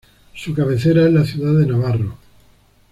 Su cabecera es la ciudad de Navarro.